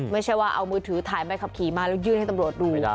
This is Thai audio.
ไม่ใช่ว่าเอามือถือถ่ายใบขับขี่มาแล้วยื่นให้ตำรวจดู